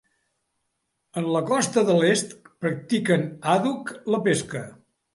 En la costa de l'est practiquen àdhuc la pesca.